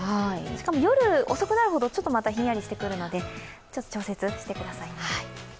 しかも夜遅くなるほどひんやりしてくるので調節してくださいね。